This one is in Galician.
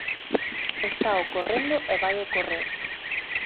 Está ocorrendo e vai ocorrer.